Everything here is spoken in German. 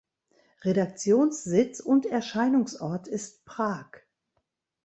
Redaktionssitz und Erscheinungsort ist Prag.